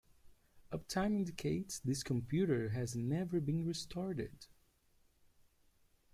Uptime indicates this computer has never been restarted.